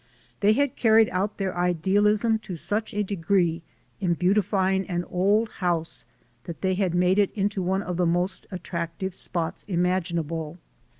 They had carried out their ideal ism to such a degree in beautifying an old house that they had made it into one of the most at tractive spots imaginable.